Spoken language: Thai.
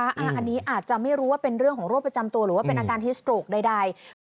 อันนี้อาจจะไม่รู้ว่าเป็นเรื่องของโรคประจำตัวหรือว่าเป็นอาการฮิสโตรกใด